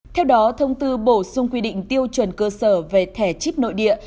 theo đó thông tư bổ sung quy định tiêu chuẩn cơ sở về thẻ chip nội địa